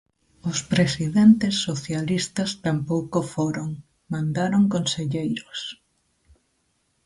Os presidentes socialistas tampouco foron, mandaron conselleiros.